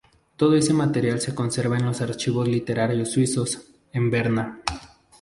Todo este material se conserva en los Archivos Literarios Suizos, en Berna.